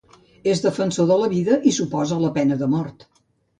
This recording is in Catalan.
És defensor de la vida i s'oposa a la pena de mort.